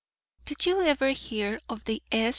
"Did you ever hear of the S.